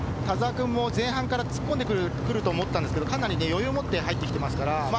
田澤君も前半から突っ込んで来ると思ったんですけどかなり余裕を持って入って来てますから。